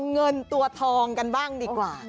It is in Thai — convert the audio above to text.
เงินตัวทองกันบ้างดีกว่า